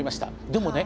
でもね